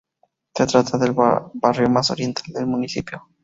Se trata del barrio más oriental del municipio.